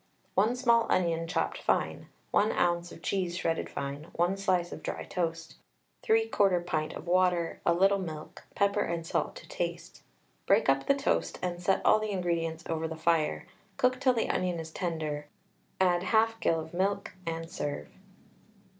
1 small onion chopped fine, 1 oz. of cheese shredded fine, 1 slice of dry toast, 3/4 pint of water, a little milk, pepper and salt to taste. Break up the toast, and set all the ingredients over the fire; cook till the onion is tender, add 1/2 gill of milk, and serve.